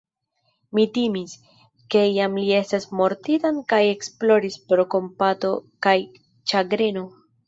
Mi timis, ke jam li estas mortinta kaj ekploris pro kompato kaj ĉagreno.